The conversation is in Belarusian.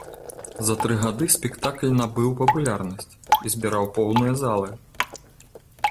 За тры гады спектакль набыў папулярнасць і збіраў поўныя залы.